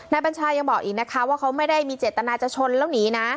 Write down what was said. บัญชายังบอกอีกนะคะว่าเขาไม่ได้มีเจตนาจะชนแล้วหนีนะ